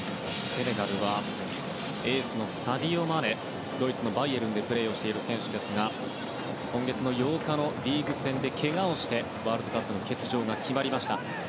セネガルはエースのサディオ・マネドイツのバイエルンでプレーしている選手ですが今月８日のリーグ戦でけがをしてワールドカップ欠場が決まりました。